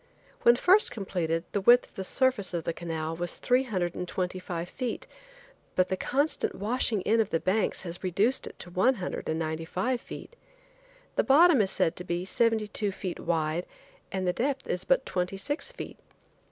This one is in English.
When first completed the width of the surface of the canal was three hundred and twenty five feet, but the constant washing in of the banks has reduced it to one hundred and ninety five feet. The bottom is said to be seventy two feet wide and the depth is but twenty six feet.